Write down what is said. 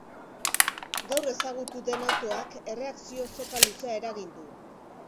Gaur ezagutu den autoak erreakzio soka luzea eragin du.